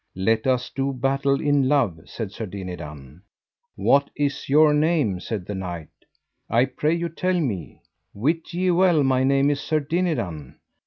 Let us do battle in love, said Sir Dinadan. What is your name, said that knight, I pray you tell me. Wit ye well my name is Sir Dinadan.